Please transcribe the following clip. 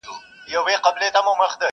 ستوري هم سترګک وهي په مینه مینه,